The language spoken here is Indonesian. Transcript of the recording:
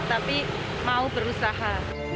tapi mau berusaha